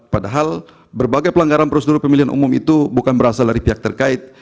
padahal berbagai pelanggaran prosedur pemilihan umum itu bukan berasal dari pihak terkait